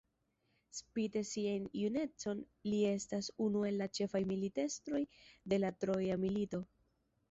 Spite sian junecon li estas unu el la ĉefaj militestroj de la Troja Milito.